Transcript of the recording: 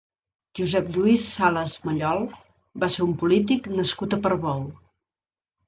Josep Lluís Salas Mallol va ser un polític nascut a Portbou.